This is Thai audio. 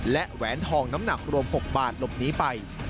และแหวนทองน้ำหนักรวม๖บาทหลบหนีไป